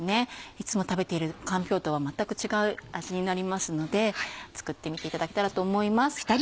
いつも食べているかんぴょうとは全く違う味になりますので作ってみていただけたらと思います。